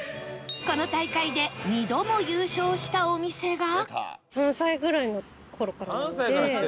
この大会で２度も優勝したお店が